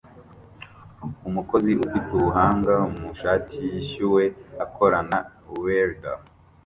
Umukozi ufite ubuhanga mu ishati yishyuwe akorana na welder